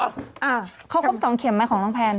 เขาครบสองเข็มไหมของน้องแพน